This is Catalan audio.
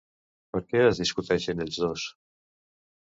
Per què es discuteixen ells dos?